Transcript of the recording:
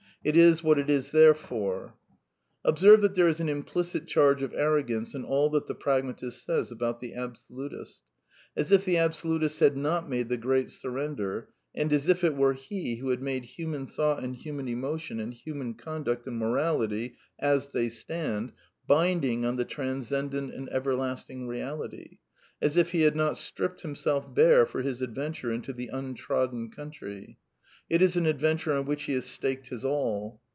It is what it is there for. Observe that there is an implicit charge of arrogance in all that the pragmatist says about the absolutist. As if tlip iihflftlntiflt bfl^ ^nt mntlr thn firrat^PTrrrrTiHrr and as if it were he who had made human thought and human emo tion, and human conduct and morality, " as they stand," binding on the transcendent and everlasting Reality ; as if he had not stripped himself bare for his adventure into the ^^ untrodden country." It is an adventure on which he has staked his all.